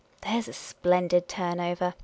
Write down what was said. " There 's a splendid turn over !